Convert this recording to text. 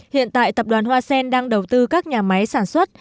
hiện tại tập đoàn hoa sen đang đầu tư các nhà máy sản xuất